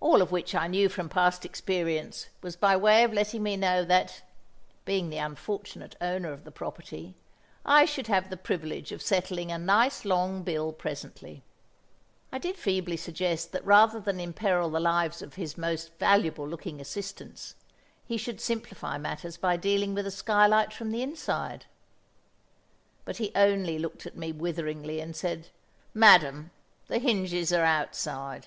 All of which I knew from past experience was by way of letting me know that (being the unfortunate owner of the property) I should have the privilege of settling a nice long bill presently. I did feebly suggest that rather than imperil the lives of his most valuable looking assistants, he should simplify matters by dealing with the skylight from the inside. But he only looked at me witheringly and said, "Madam, the hinges are outside."